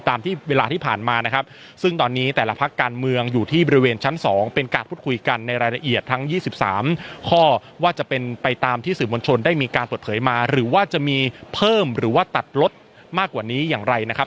ตามที่เวลาที่ผ่านมานะครับซึ่งตอนนี้แต่ละพักการเมืองอยู่ที่บริเวณชั้น๒เป็นการพูดคุยกันในรายละเอียดทั้ง๒๓ข้อว่าจะเป็นไปตามที่สื่อมวลชนได้มีการเปิดเผยมาหรือว่าจะมีเพิ่มหรือว่าตัดลดมากกว่านี้อย่างไรนะครับ